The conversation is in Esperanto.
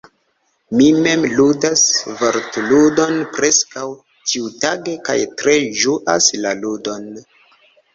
Mi mem ludas Vortludon preskaŭ ĉiutage kaj tre ĝuas la ludon.